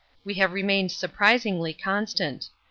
We have remained surprisingly constant.